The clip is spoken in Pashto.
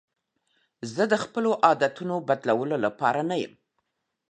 زه د خپلو عادتونو بدلولو لپاره نه یم.